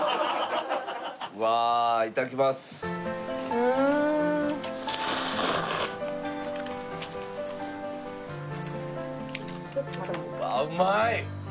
うまい。